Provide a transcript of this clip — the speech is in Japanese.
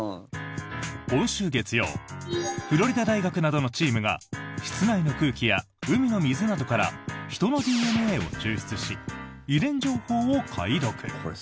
今週月曜フロリダ大学などのチームが室内の空気や海の水などから人のＤＮＡを抽出し遺伝情報を解読。